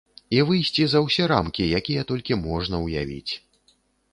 І выйсці за ўсе рамкі, якія толькі можна ўявіць.